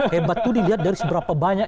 hebat itu dilihat dari seberapa banyak